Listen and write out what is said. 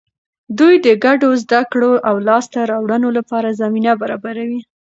دوی د ګډو زده کړو او لاسته راوړنو لپاره زمینه برابروي.